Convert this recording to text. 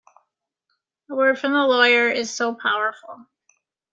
A word from the lawyer is so powerful.